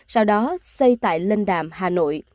sau đó xây tại lênh đàm hà nội